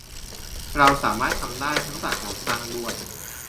เราสามารถทำได้ทั้งจากการสร้างด้วย